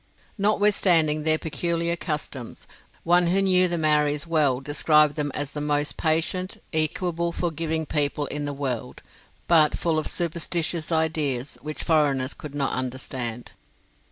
Notwithstanding their peculiar customs, one who knew the Maoris well described them as the most patient, equable, forgiving people in the world, but full of superstitious ideas, which foreigners could not understand.